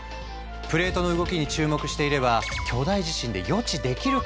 プレートの動きに注目していれば巨大地震って予知できるかもしれない。